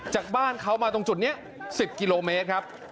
จากบ้านเขามาตรงจุดนี้๑๐กิโลเมตรครับ